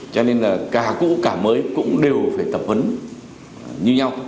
cho nên là cả cũ cả mới cũng đều phải tập huấn như nhau